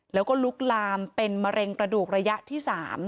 แล้วก็ลุกลามเป็นมะเร็งกระดูกระยะที่๓